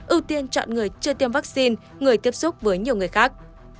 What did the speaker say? ưu tiên chọn người chưa tiêm vaccine người tiếp xúc với nhiều người khác